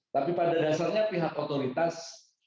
tapi pada dasarnya pihak otoritas